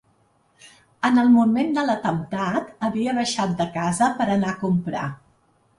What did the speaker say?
En el moment de l’atemptat, havia baixat de casa per anar a comprar.